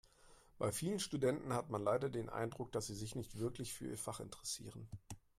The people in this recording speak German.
Bei vielen Studenten hat man leider den Eindruck, dass sie sich nicht wirklich für ihr Fach interessieren.